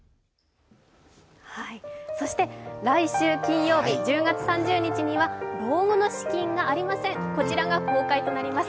そして来週金曜日１０月３０日には「老後の資金がありません！」が公開となります。